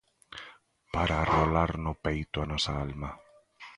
Para arrolar no peito a nosa alma.